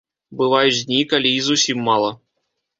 Бываюць дні, калі і зусім мала.